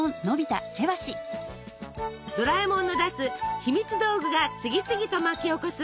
ドラえもんの出す「ひみつ道具」が次々と巻き起こす